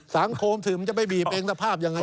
สังคมคงไม่ว่าจะมาบีบแต่ภาพอย่างไร